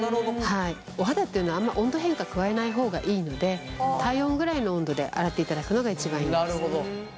お肌っていうのはあんま温度変化加えない方がいいので体温ぐらいの温度で洗っていただくのが一番いいんです。